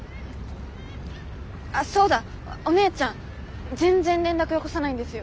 そうだお姉ちゃん全然連絡よこさないんですよ。